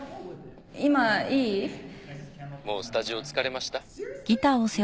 もうスタジオ着かれました？